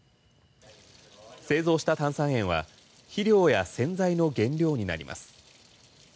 製造した炭酸塩は肥料や洗剤の原料になります。